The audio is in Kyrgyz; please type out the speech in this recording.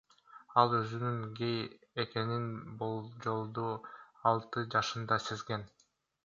Ал өзүнүн гей экенин болжолдуу алты жашында сезген.